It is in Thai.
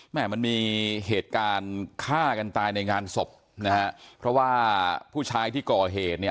มันมีเหตุการณ์ฆ่ากันตายในงานศพนะฮะเพราะว่าผู้ชายที่ก่อเหตุเนี่ย